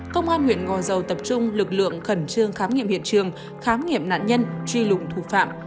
công an huyện ngò dầu tập trung lực lượng khẩn trương khám nghiệm hiện trường khám nghiệm nạn nhân truy lụng thủ phạm